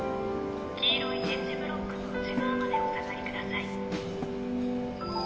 黄色い点字ブロックの内側までお下がりください。